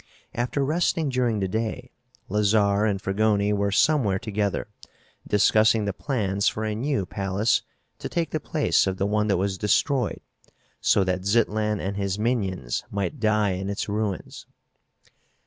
After resting during the day, Lazarre and Fragoni were somewhere together, discussing the plans for a new palace to take the place of the one that was destroyed so that Zitlan and his minions might die in its ruins.